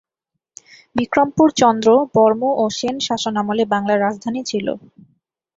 বিক্রমপুর চন্দ্র, বর্ম ও সেন শাসনামলে বাংলার রাজধানী ছিল।